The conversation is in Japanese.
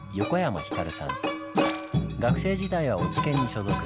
学生時代は落研に所属。